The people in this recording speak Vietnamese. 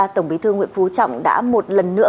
tổng bí thư nguyễn phú trọng đã một lần nữa